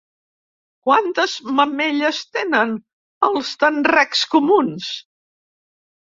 Quantes mamelles tenen els tenrecs comuns?